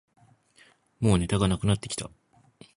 もうネタがなくなってきた